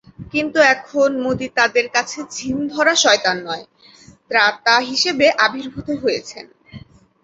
কিন্তু এখন মোদি তাদের কাছে ঝিম-ধরা শয়তান নয়, ত্রাতা হিসেবে আবির্ভূত হয়েছেন।